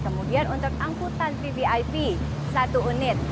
kemudian untuk angkutan vvip satu unit